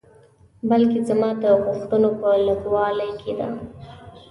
بلکې زما د غوښتنو په لږوالي کې ده.